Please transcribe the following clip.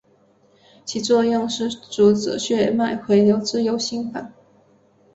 其作用是阻止血液回流至右心房。